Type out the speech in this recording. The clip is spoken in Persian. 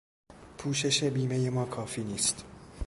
پوشش بیمهی ما کافی نیست.